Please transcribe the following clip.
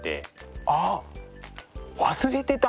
あっ忘れてた！